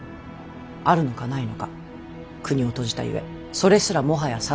あるのかないのか国を閉じたゆえそれすらもはや定かではない。